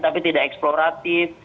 tapi tidak eksploratif